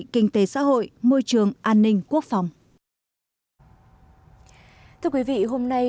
kinh tế xã hội môi trường an ninh quốc phòng